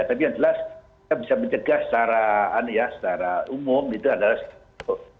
tapi yang jelas kita bisa mencegah secara umum itu adalah